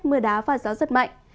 mưa đá và gió rất mạnh